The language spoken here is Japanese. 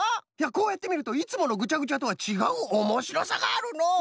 こうやってみるといつものぐちゃぐちゃとはちがうおもしろさがあるのう。